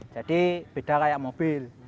jadi beda kayak mobil